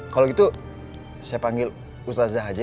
kalau gitu saya panggil ustadzah aja ya